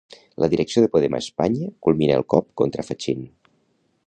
La direcció de Podem a Espanya culmina el cop contra Fachín.